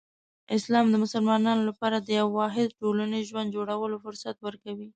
اسلام د مسلمانانو لپاره د یو واحد ټولنیز ژوند جوړولو فرصت ورکوي.